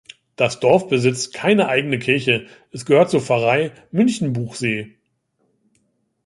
Das Dorf besitzt keine eigene Kirche, es gehört zur Pfarrei Münchenbuchsee.